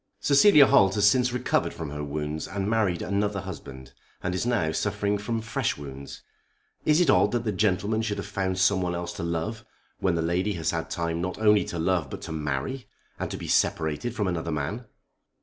"Cecilia Holt has since recovered from her wounds and married another husband, and is now suffering from fresh wounds. Is it odd that the gentleman should have found some one else to love when the lady has had time not only to love but to marry, and to be separated from another man?"